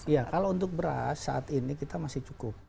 ya kalau untuk beras saat ini kita masih cukup